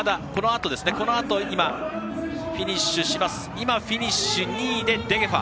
今、フィニッシュ２位でデゲファ。